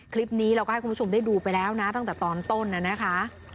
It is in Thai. คลิปนี้เราก็ให้คุณผู้ชมได้ดูไปแล้วนะตั้งแต่ตอนต้นน่ะนะคะ